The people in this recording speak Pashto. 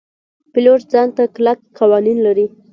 پیلوټ ځان ته کلک قوانین لري.